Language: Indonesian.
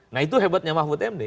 nah itu hebatnya mahfud md